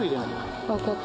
分かった。